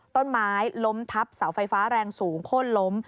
ต้นไม้ล้มทับเสาไฟฟ้าแรงสูงโค้นล้ม